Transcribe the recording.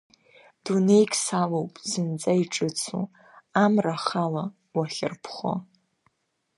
Дунеик салоуп зынӡа иҿыцу, Амра ахала уахьарԥхо.